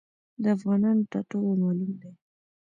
د افغانانو ټاټوبی معلوم دی.